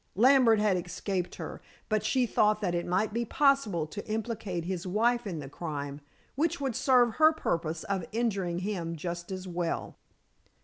Lambert had escaped her, but she thought that it might be possible to implicate his wife in the crime, which would serve her purpose of injuring him just as well.